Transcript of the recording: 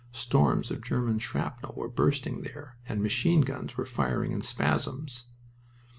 Storms of German shrapnel were bursting there, and machineguns were firing in spasms.